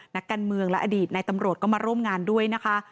นักการเมืองและอดีตในตำรวจก็มาร่วมงานด้วยนะคะ